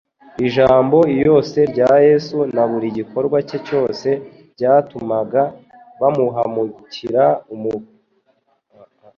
Ijambo iyose rya Yesu na buri gikorwa cye cyose byatumaga bahagmukira kumurwariya :